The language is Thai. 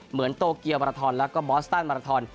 เหมือนโตเกียวมาราทอนแล้วก็บอสตันมาราทอน